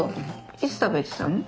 いつ食べてたの？